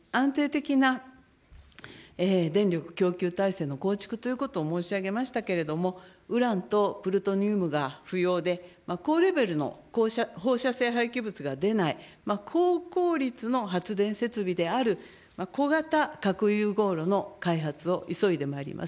安定的な電力供給体制の構築ということを申し上げましたけれども、ウランとプルトニウムが不要で、高レベルの放射性廃棄物が出ない、高効率の発電設備である小型核融合炉の開発を急いでまいります。